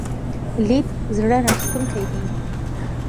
لید زړه راښکونکی دی.